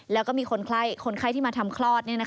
แล้วก็มีคนไข้ที่มาทำคลอด